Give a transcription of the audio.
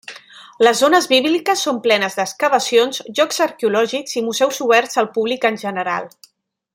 Les zones bíbliques són plenes d'excavacions, llocs arqueològics i museus oberts al públic en general.